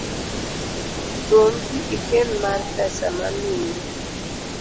Tuom pi ikel mar pesa mamiyino